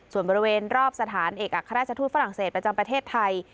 ส่วนบริเวณรอบสถานเอกอัครราชทูตฝรั่งเศสประจำประเทศไทย